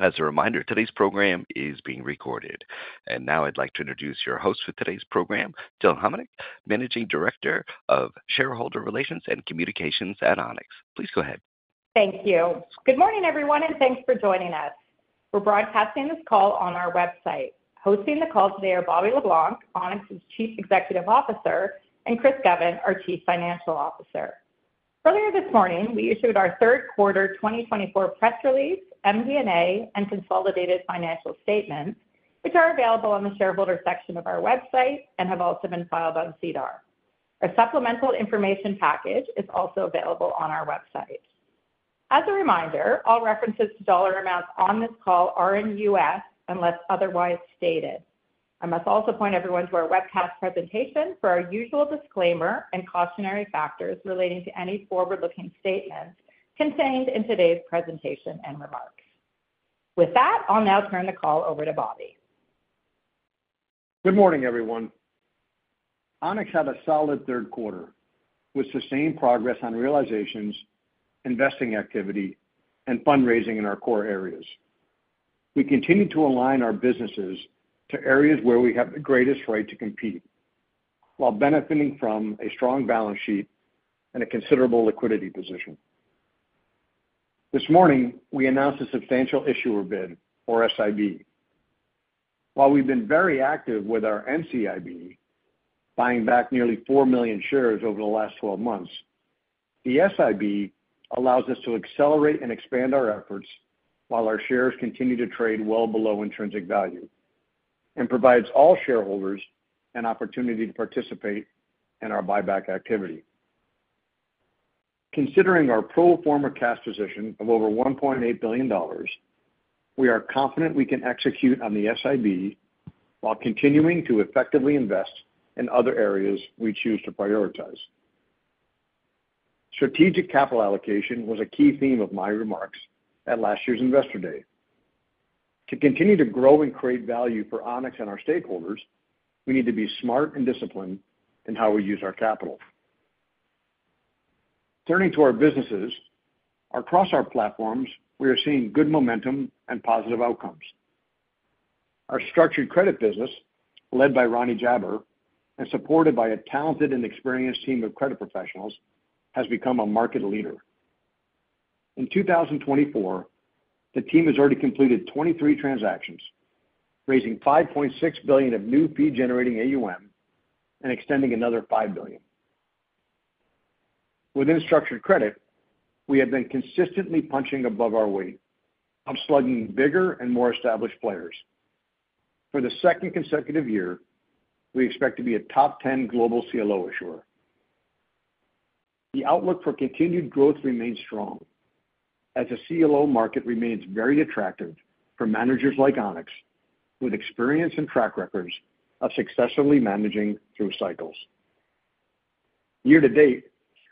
As a reminder, today's program is being recorded. And now I'd like to introduce your host for today's program, Jill Homenuk, Managing Director of Shareholder Relations and Communications at Onex. Please go ahead. Thank you. Good morning, everyone, and thanks for joining us. We're broadcasting this call on our website. Hosting the call today are Bobby Le Blanc, Onex's Chief Executive Officer, and Chris Govan, our Chief Financial Officer. Earlier this morning, we issued our third quarter 2024 press release, MD&A, and consolidated financial statements, which are available on the shareholder section of our website and have also been filed on SEDAR. A supplemental information package is also available on our website. As a reminder, all references to dollar amounts on this call are in U.S. unless otherwise stated. I must also point everyone to our webcast presentation for our usual disclaimer and cautionary factors relating to any forward-looking statements contained in today's presentation and remarks. With that, I'll now turn the call over to Bobby. Good morning, everyone. Onex had a solid third quarter with sustained progress on realizations, investing activity, and fundraising in our core areas. We continue to align our businesses to areas where we have the greatest right to compete while benefiting from a strong balance sheet and a considerable liquidity position. This morning, we announced a substantial issuer bid, or SIB. While we've been very active with our NCIB, buying back nearly 4 million shares over the last 12 months, the SIB allows us to accelerate and expand our efforts while our shares continue to trade well below intrinsic value and provides all shareholders an opportunity to participate in our buyback activity. Considering our pro forma cash position of over $1.8 billion, we are confident we can execute on the SIB while continuing to effectively invest in other areas we choose to prioritize. Strategic capital allocation was a key theme of my remarks at last year's Investor Day. To continue to grow and create value for Onex and our stakeholders, we need to be smart and disciplined in how we use our capital. Turning to our businesses, across our platforms, we are seeing good momentum and positive outcomes. Our structured credit business, led by Ronnie Jaber and supported by a talented and experienced team of credit professionals, has become a market leader. In 2024, the team has already completed 23 transactions, raising $5.6 billion of new fee-generating AUM and extending another $5 billion. Within structured credit, we have been consistently punching above our weight, outslugging bigger and more established players. For the second consecutive year, we expect to be a top 10 global CLO issuer. The outlook for continued growth remains strong as the CLO market remains very attractive for managers like Onex, with experience and track records of successfully managing through cycles. Year to date,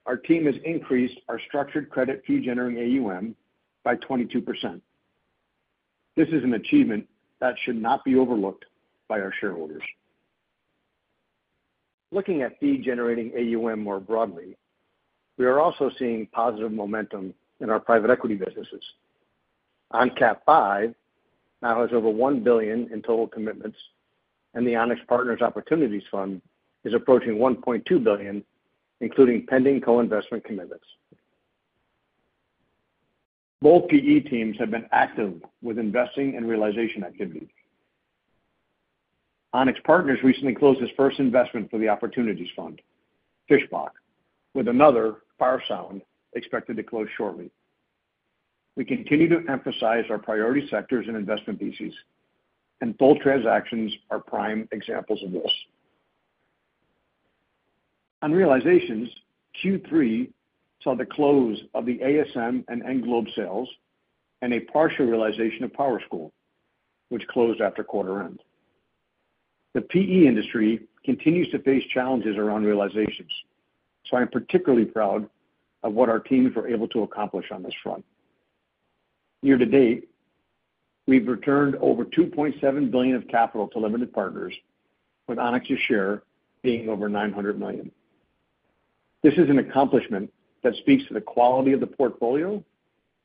our team has increased our structured credit fee-generating AUM by 22%. This is an achievement that should not be overlooked by our shareholders. Looking at fee-generating AUM more broadly, we are also seeing positive momentum in our private equity businesses. ONCAP V now has over $1 billion in total commitments, and the Onex Partners Opportunities Fund is approaching $1.2 billion, including pending co-investment commitments. Both PE teams have been active with investing and realization activity. Onex Partners recently closed its first investment for the Opportunities Fund, Fischbach, with another, Farsound, expected to close shortly. We continue to emphasize our priority sectors and investment these, and both transactions are prime examples of this. On realizations, Q3 saw the close of the ASM and Englobe sales and a partial realization of PowerSchool, which closed after quarter end. The PE industry continues to face challenges around realizations, so I am particularly proud of what our teams were able to accomplish on this front. Year to date, we've returned over $2.7 billion of capital to limited partners, with Onex's share being over $900 million. This is an accomplishment that speaks to the quality of the portfolio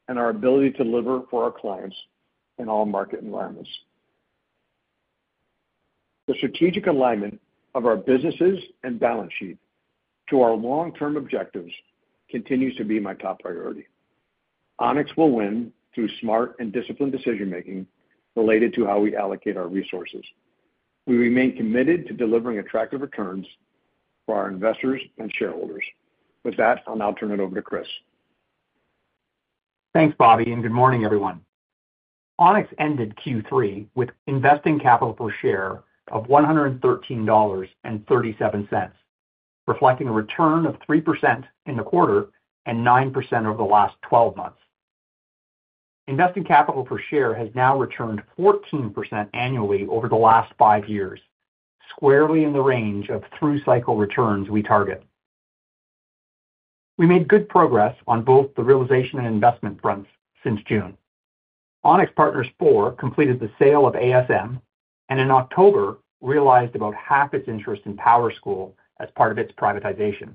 and our ability to deliver for our clients in all market environments. The strategic alignment of our businesses and balance sheet to our long-term objectives continues to be my top priority. Onex will win through smart and disciplined decision-making related to how we allocate our resources. We remain committed to delivering attractive returns for our investors and shareholders. With that, I'll now turn it over to Chris. Thanks, Bobby, and good morning, everyone. Onex ended Q3 with investing capital per share of $113.37, reflecting a return of 3% in the quarter and 9% over the last 12 months. Investing capital per share has now returned 14% annually over the last five years, squarely in the range of through-cycle returns we target. We made good progress on both the realization and investment fronts since June. Onex Partners IV completed the sale of ASM and in October realized about half its interest in PowerSchool as part of its privatization.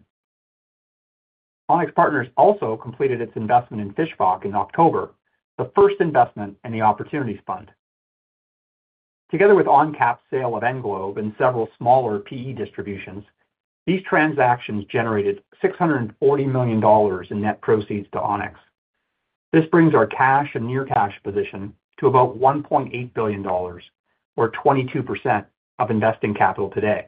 Onex Partners also completed its investment in Fischbach in October, the first investment in the Opportunities Fund. Together with ONCAP's sale of Englobe and several smaller PE distributions, these transactions generated $640 million in net proceeds to Onex. This brings our cash and near-cash position to about $1.8 billion, or 22% of investing capital today.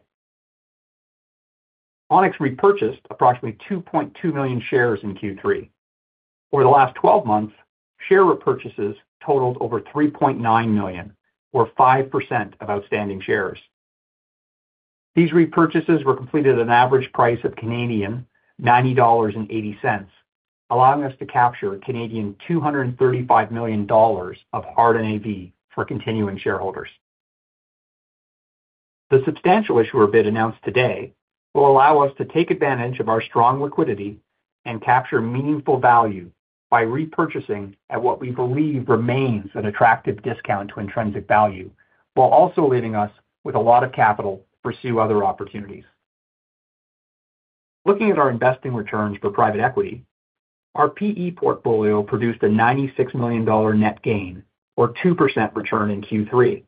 Onex repurchased approximately 2.2 million shares in Q3. Over the last 12 months, share repurchases totaled over $3.9 million, or 5% of outstanding shares. These repurchases were completed at an average price of 90.80 Canadian dollars, allowing us to capture 235 million Canadian dollars of Hard NAV for continuing shareholders. The substantial issuer bid announced today will allow us to take advantage of our strong liquidity and capture meaningful value by repurchasing at what we believe remains an attractive discount to intrinsic value, while also leaving us with a lot of capital to pursue other opportunities. Looking at our investing returns for private equity, our PE portfolio produced a $96 million net gain, or 2% return in Q3.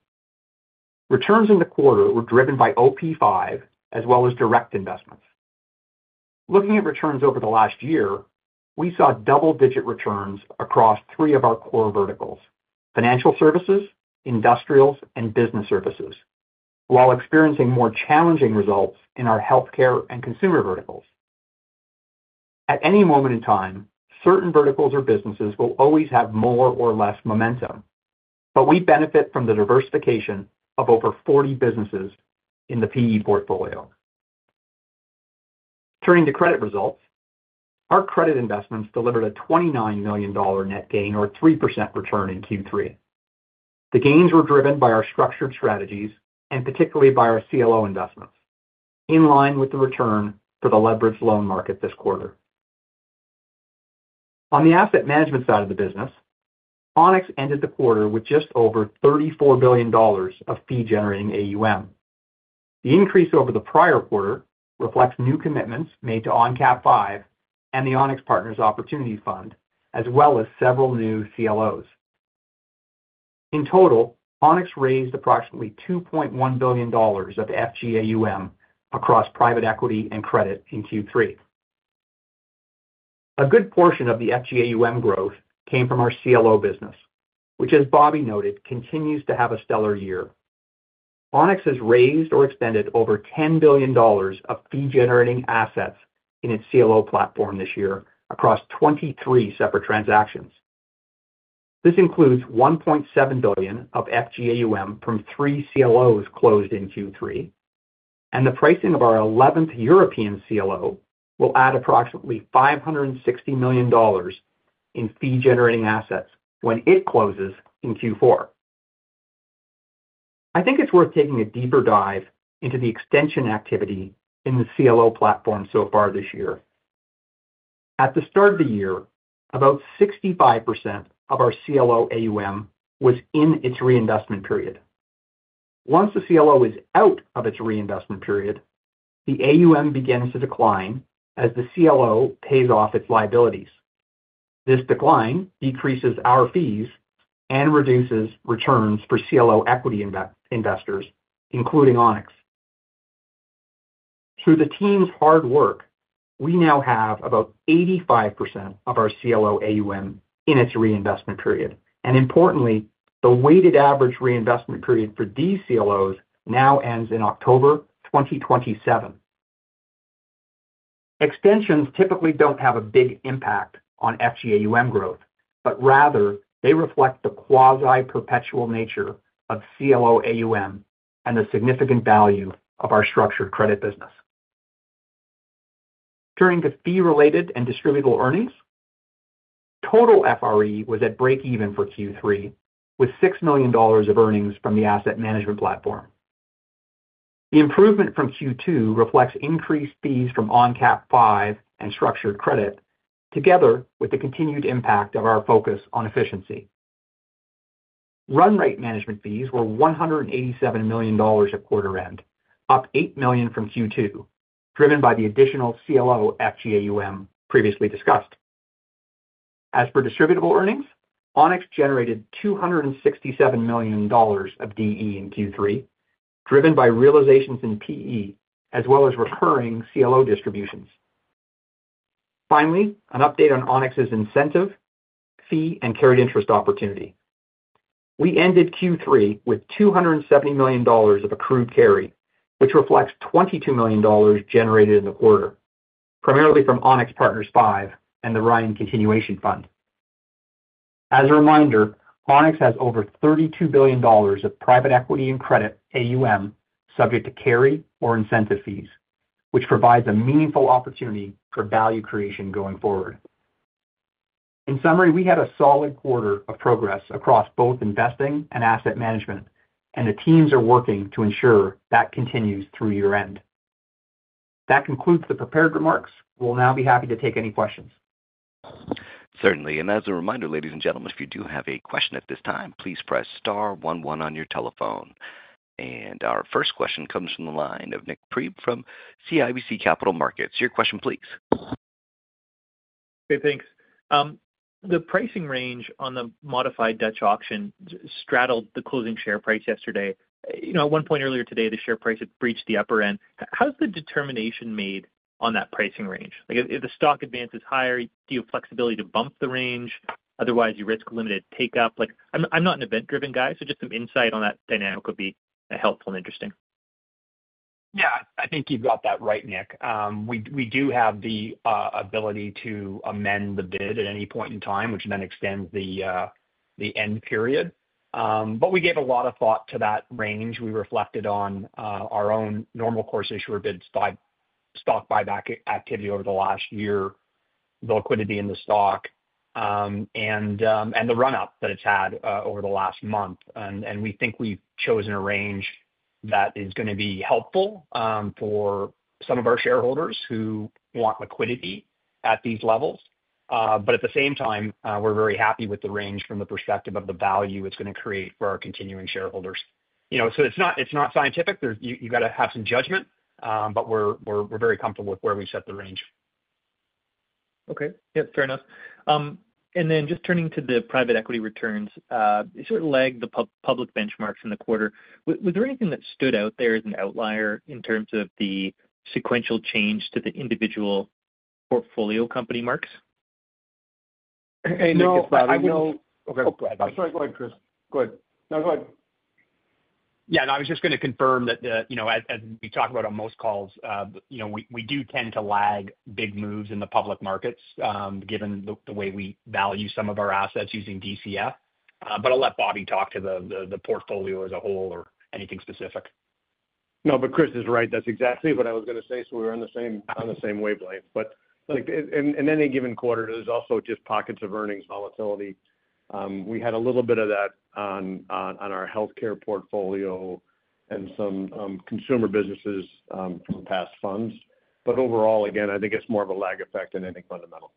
Returns in the quarter were driven by OP5 as well as direct investments. Looking at returns over the last year, we saw double-digit returns across three of our core verticals: financial services, industrials, and business services, while experiencing more challenging results in our healthcare and consumer verticals. At any moment in time, certain verticals or businesses will always have more or less momentum, but we benefit from the diversification of over 40 businesses in the PE portfolio. Turning to credit results, our credit investments delivered a $29 million net gain, or 3% return in Q3. The gains were driven by our structured strategies and particularly by our CLO investments, in line with the return for the leveraged loan market this quarter. On the asset management side of the business, Onex ended the quarter with just over $34 billion of fee-generating AUM. The increase over the prior quarter reflects new commitments made to ONCAP V and the Onex Partners Opportunities Fund, as well as several new CLOs. In total, Onex raised approximately $2.1 billion of FGAUM across private equity and credit in Q3. A good portion of the FGAUM growth came from our CLO business, which, as Bobby noted, continues to have a stellar year. Onex has raised or extended over $10 billion of fee-generating assets in its CLO platform this year across 23 separate transactions. This includes $1.7 billion of FGAUM from three CLOs closed in Q3, and the pricing of our 11th European CLO will add approximately $560 million in fee-generating assets when it closes in Q4. I think it's worth taking a deeper dive into the extension activity in the CLO platform so far this year. At the start of the year, about 65% of our CLO AUM was in its reinvestment period. Once the CLO is out of its reinvestment period, the AUM begins to decline as the CLO pays off its liabilities. This decline decreases our fees and reduces returns for CLO equity investors, including Onex. Through the team's hard work, we now have about 85% of our CLO AUM in its reinvestment period, and importantly, the weighted average reinvestment period for these CLOs now ends in October 2027. Extensions typically don't have a big impact on FGAUM growth, but rather they reflect the quasi-perpetual nature of CLO AUM and the significant value of our structured credit business. Turning to fee-related and distributable earnings, total FRE was at break-even for Q3, with $6 million of earnings from the asset management platform. The improvement from Q2 reflects increased fees from ONCAP V and structured credit, together with the continued impact of our focus on efficiency. Run rate management fees were $187 million at quarter end, up $8 million from Q2, driven by the additional CLO FGAUM previously discussed. As for distributable earnings, Onex generated $267 million of DE in Q3, driven by realizations in PE as well as recurring CLO distributions. Finally, an update on Onex's incentive, fee, and carried interest opportunity. We ended Q3 with $270 million of accrued carry, which reflects $22 million generated in the quarter, primarily from Onex Partners V and the Ryan Continuation Fund. As a reminder, Onex has over $32 billion of private equity and credit AUM subject to carry or incentive fees, which provides a meaningful opportunity for value creation going forward. In summary, we had a solid quarter of progress across both investing and asset management, and the teams are working to ensure that continues through year-end. That concludes the prepared remarks. We'll now be happy to take any questions. Certainly. And as a reminder, ladies and gentlemen, if you do have a question at this time, please press star 11 on your telephone. And our first question comes from the line of Nik Priebe from CIBC Capital Markets. Your question, please. Okay, thanks. The pricing range on the modified Dutch auction straddled the closing share price yesterday. At one point earlier today, the share price had breached the upper end. How's the determination made on that pricing range? If the stock advances higher, do you have flexibility to bump the range? Otherwise, you risk limited take-up. I'm not an event-driven guy, so just some insight on that dynamic would be helpful and interesting. Yeah, I think you've got that right, Nick. We do have the ability to amend the bid at any point in time, which then extends the end period. But we gave a lot of thought to that range. We reflected on our own normal course issuer bids, stock buyback activity over the last year, the liquidity in the stock, and the run-up that it's had over the last month. And we think we've chosen a range that is going to be helpful for some of our shareholders who want liquidity at these levels. But at the same time, we're very happy with the range from the perspective of the value it's going to create for our continuing shareholders. So it's not scientific. You've got to have some judgment, but we're very comfortable with where we set the range. Okay. Yeah, fair enough. And then just turning to the private equity returns, you sort of lagged the public benchmarks in the quarter. Was there anything that stood out there as an outlier in terms of the sequential change to the individual portfolio company marks? No, I was just. Oh, go ahead. I'm sorry. Go ahead, Chris. Go ahead. No, go ahead. Yeah, no, I was just going to confirm that as we talk about on most calls, we do tend to lag big moves in the public markets given the way we value some of our assets using DCF. But I'll let Bobby talk to the portfolio as a whole or anything specific. No, but Chris is right. That's exactly what I was going to say. So we're on the same wavelength. But in any given quarter, there's also just pockets of earnings volatility. We had a little bit of that on our healthcare portfolio and some consumer businesses from past funds. But overall, again, I think it's more of a lag effect than any fundamental.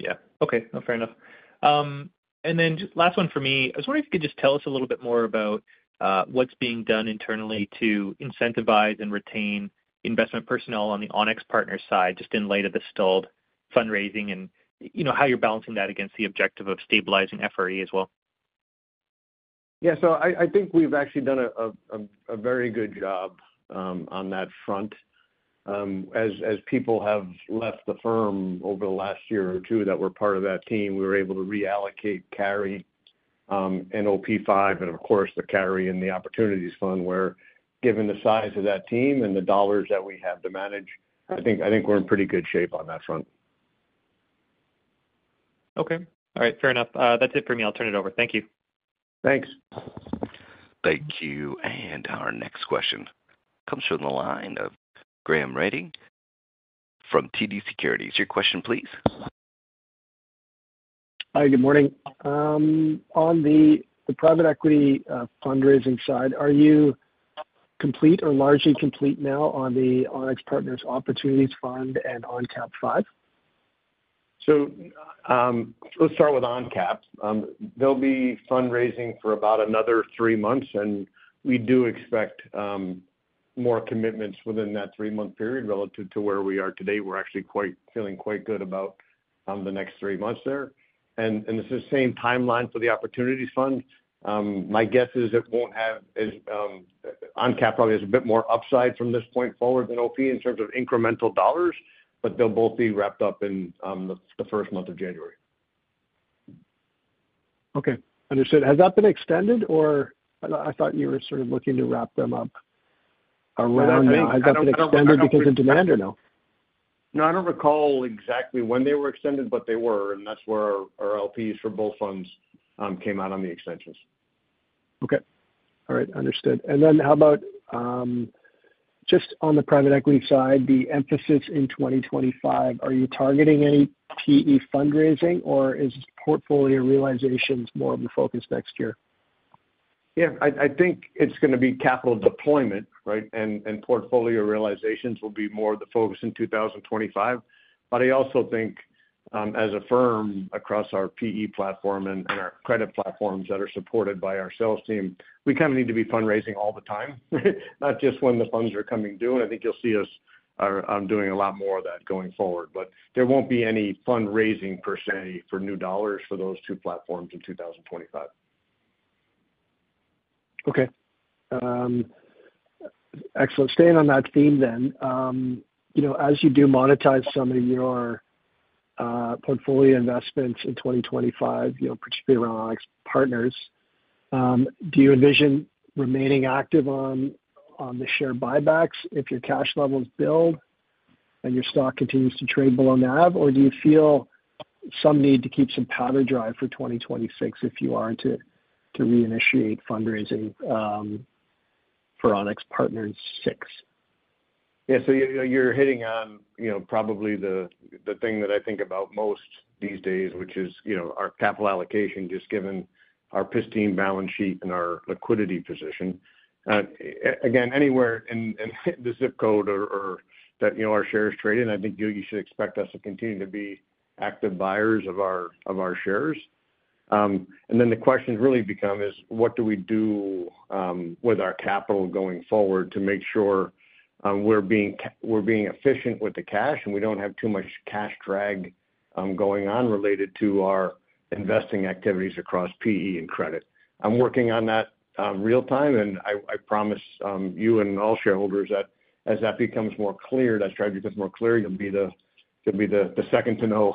Yeah. Okay. Fair enough. And then just last one for me. I was wondering if you could just tell us a little bit more about what's being done internally to incentivize and retain investment personnel on the Onex Partners side, just in light of the stalled fundraising and how you're balancing that against the objective of stabilizing FRE as well. Yeah, so I think we've actually done a very good job on that front. As people have left the firm over the last year or two that were part of that team, we were able to reallocate carry and OP5, and of course, the carry and the Opportunities Fund, where given the size of that team and the dollars that we have to manage, I think we're in pretty good shape on that front. Okay. All right. Fair enough. That's it for me. I'll turn it over. Thank you. Thanks. Thank you. And our next question comes from the line of Graham Ryding from TD Securities. Your question, please. Hi, good morning. On the private equity fundraising side, are you complete or largely complete now on the Onex Partners Opportunities Fund and ONCAP V? So let's start with ONCAP. They'll be fundraising for about another three months, and we do expect more commitments within that three-month period relative to where we are today. We're actually feeling quite good about the next three months there. And it's the same timeline for the Opportunities Fund. My guess is it won't have. ONCAP probably has a bit more upside from this point forward than OP in terms of incremental dollars, but they'll both be wrapped up in the first month of January. Okay. Understood. Has that been extended, or I thought you were sort of looking to wrap them up around? They've been extended. Has that been extended because of demand or no? No, I don't recall exactly when they were extended, but they were, and that's where our LPs for both funds came out on the extensions. Okay. All right. Understood. And then how about just on the private equity side, the emphasis in 2025, are you targeting any PE fundraising, or is portfolio realizations more of the focus next year? Yeah, I think it's going to be capital deployment, right? And portfolio realizations will be more of the focus in 2025. But I also think, as a firm across our PE platform and our credit platforms that are supported by our sales team, we kind of need to be fundraising all the time, not just when the funds are coming due. And I think you'll see us doing a lot more of that going forward. But there won't be any fundraising per se for new dollars for those two platforms in 2025. Okay. Excellent. Staying on that theme then, as you do monetize some of your portfolio investments in 2025, particularly around Onex Partners, do you envision remaining active on the share buybacks if your cash levels build and your stock continues to trade below NAV, or do you feel some need to keep some powder dry for 2026 if you are to reinitiate fundraising for Onex Partners 6? Yeah, so you're hitting on probably the thing that I think about most these days, which is our capital allocation, just given our pristine balance sheet and our liquidity position. Again, anywhere in the zip code or that our shares trade, and I think you should expect us to continue to be active buyers of our shares. And then the question really becomes, what do we do with our capital going forward to make sure we're being efficient with the cash and we don't have too much cash drag going on related to our investing activities across PE and credit? I'm working on that real-time, and I promise you and all shareholders that as that becomes more clear, that strategy becomes more clear, you'll be the second to know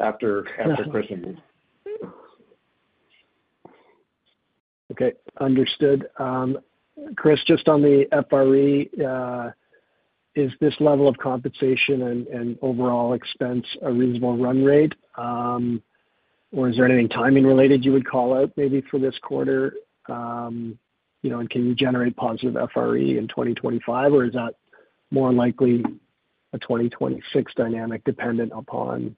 after Chris and me. Okay. Understood. Chris, just on the FRE, is this level of compensation and overall expense a reasonable run rate, or is there anything timing-related you would call out maybe for this quarter, and can you generate positive FRE in 2025, or is that more likely a 2026 dynamic dependent upon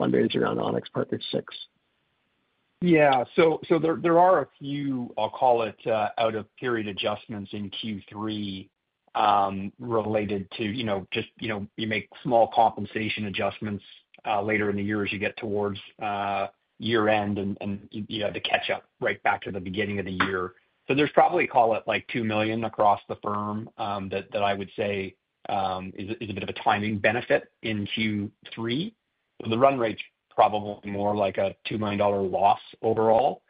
fundraising around Onex Partners 6? Yeah. So there are a few, I'll call it, out-of-period adjustments in Q3 related to just you make small compensation adjustments later in the year as you get towards year-end, and you have to catch up right back to the beginning of the year. So there's probably, call it, like $2 million across the firm that I would say is a bit of a timing benefit in Q3. The run rate's probably more like a $2 million loss overall.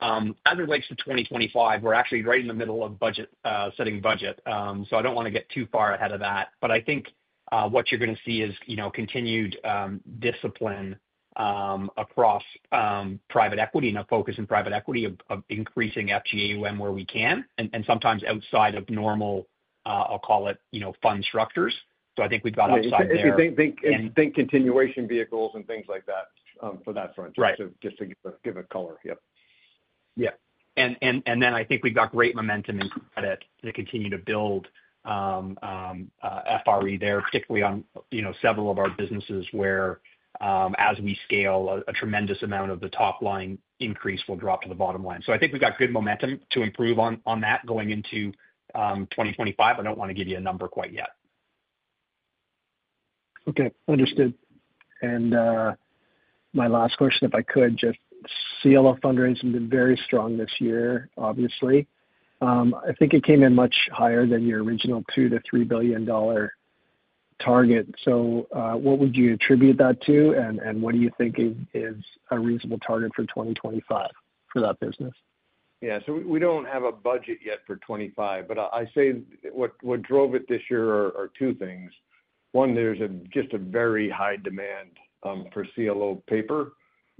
As it relates to 2025, we're actually right in the middle of setting budget. I don't want to get too far ahead of that. But I think what you're going to see is continued discipline across private equity and a focus in private equity of increasing FGAUM where we can, and sometimes outside of normal, I'll call it, fund structures. I think we've got outside there. And think continuation vehicles and things like that for that front, just to give it color. Yep. Yeah. And then I think we've got great momentum in credit to continue to build FRE there, particularly on several of our businesses where, as we scale, a tremendous amount of the top-line increase will drop to the bottom line. So I think we've got good momentum to improve on that going into 2025. I don't want to give you a number quite yet. Okay. Understood. And my last question, if I could, just CLO fundraising has been very strong this year, obviously. I think it came in much higher than your original $2-$3 billion target. So what would you attribute that to, and what do you think is a reasonable target for 2025 for that business? Yeah. So we don't have a budget yet for 2025, but I say what drove it this year are two things. One, there's just a very high demand for CLO paper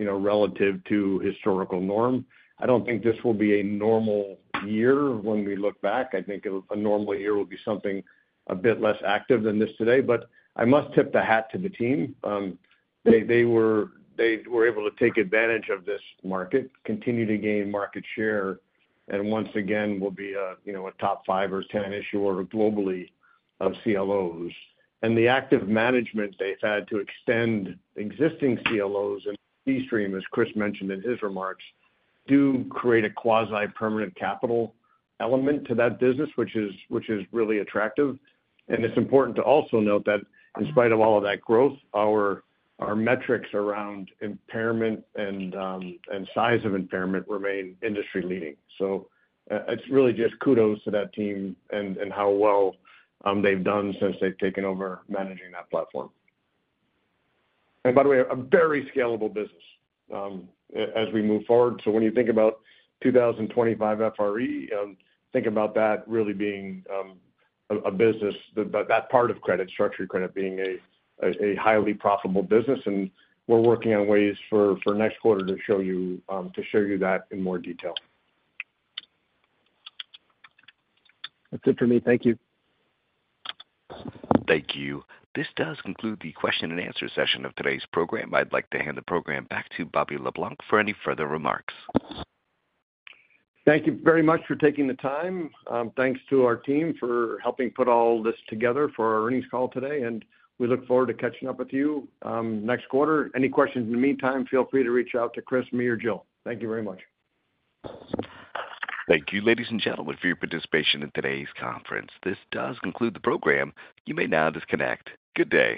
relative to historical norm. I don't think this will be a normal year when we look back. I think a normal year will be something a bit less active than this today. But I must tip the hat to the team. They were able to take advantage of this market, continue to gain market share, and once again will be a top five or 10 issuer globally of CLOs. And the active management they've had to extend existing CLOs and C-Stream, as Chris mentioned in his remarks, do create a quasi-permanent capital element to that business, which is really attractive. And it's important to also note that in spite of all of that growth, our metrics around impairment and size of impairment remain industry-leading. So it's really just kudos to that team and how well they've done since they've taken over managing that platform. And by the way, a very scalable business as we move forward. So when you think about 2025 FRE, think about that really being a business, that part of credit, structured credit being a highly profitable business. And we're working on ways for next quarter to show you that in more detail. That's it for me. Thank you. Thank you. This does conclude the question-and-answer session of today's program. I'd like to hand the program back to Bobby Le Blanc for any further remarks. Thank you very much for taking the time. Thanks to our team for helping put all this together for our earnings call today. And we look forward to catching up with you next quarter. Any questions in the meantime, feel free to reach out to Chris, me, or Jill. Thank you very much. Thank you, ladies and gentlemen, for your participation in today's conference. This does conclude the program. You may now disconnect. Good day.